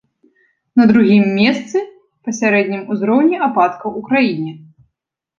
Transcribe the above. На другім месцы па сярэднім узроўні ападкаў у краіне.